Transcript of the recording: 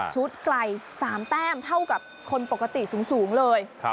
ไกล๓แต้มเท่ากับคนปกติสูงเลย